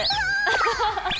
アハハハッ。